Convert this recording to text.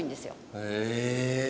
へえ。